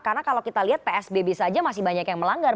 karena kalau kita lihat psbb saja masih banyak yang melanggar